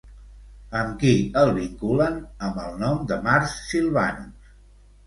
Amb qui el vinculen amb el nom de Mars Silvanus?